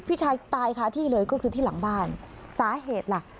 พี่ชายตายคาที่เลยก็คือที่หลังบ้านสาเหตุล่ะ